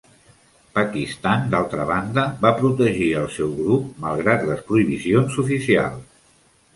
Pakistan, d'altra banda, va protegir el seu grup malgrat les prohibicions oficials.